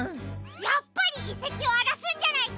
やっぱりいせきをあらすんじゃないか！